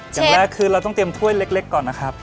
อย่างแรกคือเราต้องเตรียมถ้วยเล็กก่อนนะครับ